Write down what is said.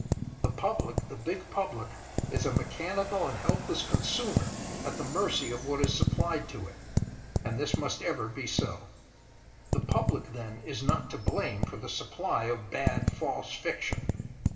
The Public, the big Public, is a mechanical and helpless consumer at the mercy of what is supplied to it, and this must ever be so. The Public then is not to blame for the supply of bad, false fiction.